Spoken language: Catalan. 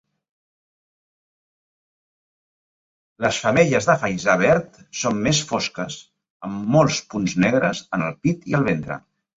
Les femelles de Faisà verd són més fosques, amb molts punts negres en el pit i el ventre.